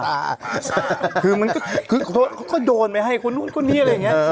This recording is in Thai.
หมาซ่าคือมันก็คือเขาก็โดนไปให้คุณคุณเนี้ยอะไรอย่างเงี้ย